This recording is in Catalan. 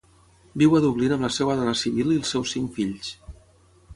Viu a Dublín amb la seva dona Sibylle i els seus cinc fills.